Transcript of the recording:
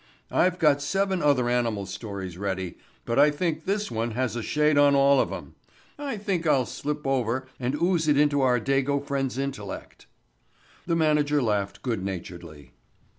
I've got seven other animal stories ready, but I think this one has a shade on all of 'em. I'll slip over and ooze it into our Dago friend's intellect." The manager laughed good naturedly.